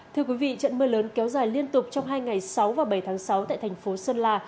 thưa quý vị trận mưa lớn kéo dài liên tục trong hai ngày sáu và bảy tháng sáu tại thành phố sơn la